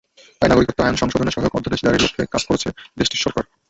তাই নাগরিকত্ব আইন সংশোধনে সহায়ক অধ্যাদেশ জারির লক্ষ্যে কাজ করছে দেশটির সরকার।